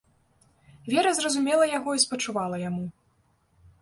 Вера разумела яго і спачувала яму.